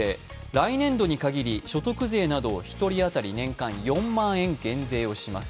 来年度に限り所得税などを１人当たりおよそ４万円減税します。